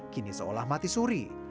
kini seolah mati suri